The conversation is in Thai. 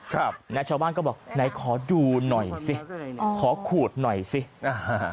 ครับนะชาวบ้านก็บอกไหนขอดูหน่อยสิขอขูดหน่อยสิอ่า